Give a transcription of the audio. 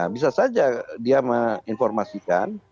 bisa saja dia menginformasikan